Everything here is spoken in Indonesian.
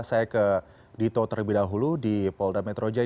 saya ke dito terlebih dahulu di polda metro jaya